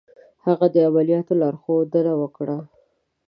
هغه دې د عملیاتو لارښودنه وکړي.